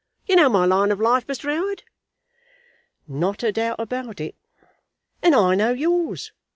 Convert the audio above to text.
You know my line of life, Mr. 'Oward?" "Not a doubt about it." "And I know yours.